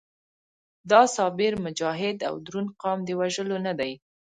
دا صابر، مجاهد او دروند قام د وژلو نه دی.